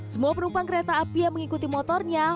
semua penumpang kereta api yang mengikuti motornya